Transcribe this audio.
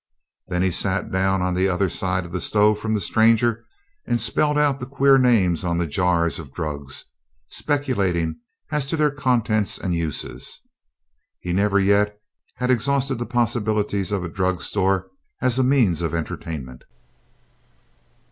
Then he sat down on the other side of the stove from the stranger and spelled out the queer names on the jars of drugs, speculating as to their contents and uses. He never yet had exhausted the possibilities of a drug store as a means of entertainment.